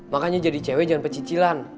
makanya jadi cewek jangan pecicilan